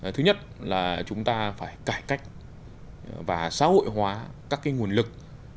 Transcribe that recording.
thứ nhất là chúng ta phải cải cách và xã hội hóa các cái nguồn lực